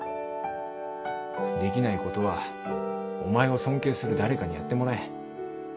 できないことはお前を尊敬する誰かにやってもらえ。